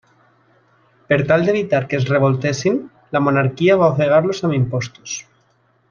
Per tal d'evitar que es revoltessin, la monarquia va ofegar-los amb impostos.